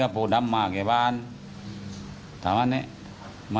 แล้วโพดำนี่มาบ่อยไหม